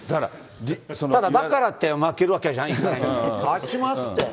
ただだからって、負けるわけじゃない、勝ちますって。